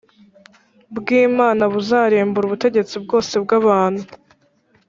bw Imana buzarimbura ubutegetsi bwose bw abantu